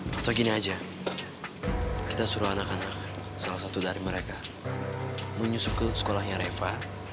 masa gini aja kita suruh anak anak salah satu dari mereka menyusul ke sekolahnya reva